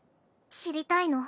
知りたいの？